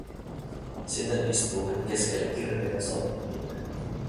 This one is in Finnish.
Siten istuu hän keskellä kirpeää savupilveä.